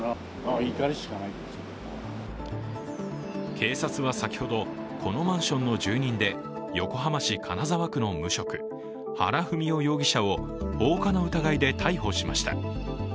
警察は先ほど、このマンションの住人で、横浜市金沢区の無職原文雄容疑者を放火の疑いで逮捕しました。